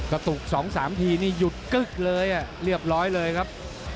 กระตุก๒๓ทีนี่หยุดกึ๊กเลยเรียบร้อยเลยครับ